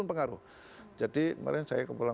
pengaruh jadi malah saya kepulauan